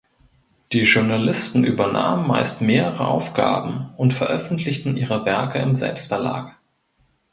Die Journalisten übernahmen meist mehrere Aufgaben und veröffentlichten ihre Werke im Selbstverlag.